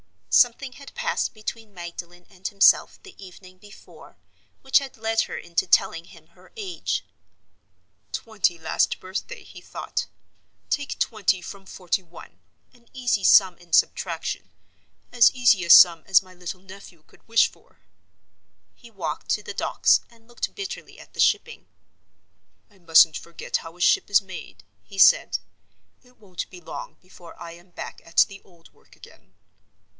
Something had passed between Magdalen and himself the evening before which had led her into telling him her age. "Twenty last birthday," he thought. "Take twenty from forty one. An easy sum in subtraction—as easy a sum as my little nephew could wish for." He walked to the Docks, and looked bitterly at the shipping. "I mustn't forget how a ship is made," he said. "It won't be long before I am back at the old work again."